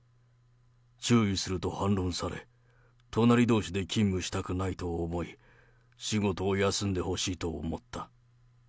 注意すると反論され、隣どうしで勤務したくないと思い、仕事を休んでほしいと思った。